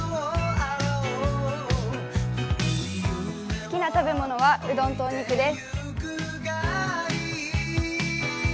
好きな食べ物はうどんとお肉です。